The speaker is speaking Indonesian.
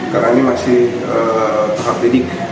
karena ini masih tahap lidik